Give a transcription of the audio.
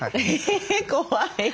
え怖い。